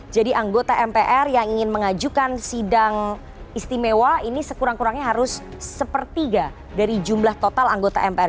jadi anggota mpr yang ingin mengajukan sidang istimewa ini sekurang kurangnya harus sepertiga dari jumlah total anggota mpr